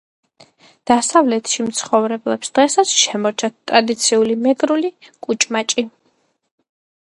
დასავლეთში მცხოვრებლებს დღესაც შემორჩათ ტრადიციული მეგრული კუჭმაჭი.